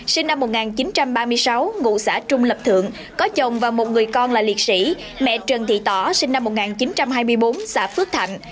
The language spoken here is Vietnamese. sinh năm một nghìn chín trăm ba mươi sáu ngụ xã trung lập thượng có chồng và một người con là liệt sĩ mẹ trần thị tỏ sinh năm một nghìn chín trăm hai mươi bốn xã phước thạnh